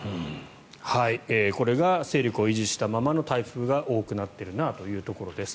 これが勢力を維持したままの台風が多くなっているなというところです。